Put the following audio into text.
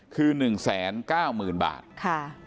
คือ๑แสน๙หมื่นบาท